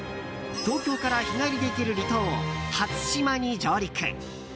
東京から日帰りで行ける離島初島に上陸。